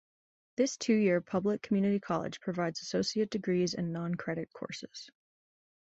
This two-year public community college provides associate degrees and non-credit courses.